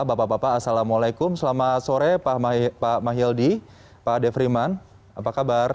bapak bapak assalamualaikum selamat sore pak mahyildi pak defriman apa kabar